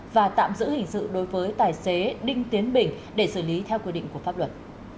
và tạm giữ hình sự đối với tài xế đinh tiến bình để xử lý theo quy định của pháp luật